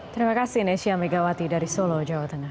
terima kasih nesya megawati dari solo jawa tengah